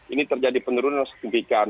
ini terjadi penurunan sejumlah